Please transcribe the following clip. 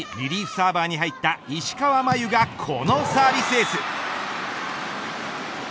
サーバーに入った石川真佑がこのサービスエース。